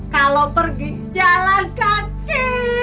kalau pergi jalan kaki